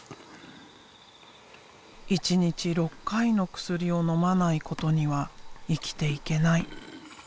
１日６回の薬をのまないことには生きていけない。